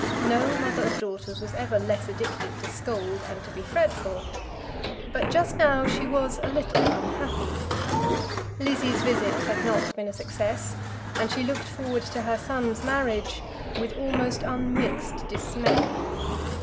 No mother of daughters was ever less addicted to scold and to be fretful. But just now she was a little unhappy. Lizzie's visit had not been a success, and she looked forward to her son's marriage with almost unmixed dismay.